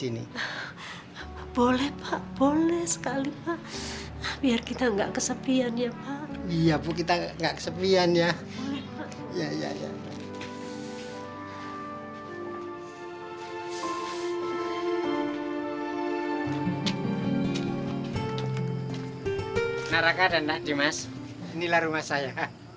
inilah rumah saya